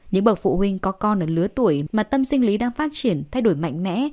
những bậc phụ huynh có con ở lứa tuổi mà tâm sinh lý đang phát triển thay đổi mạnh mẽ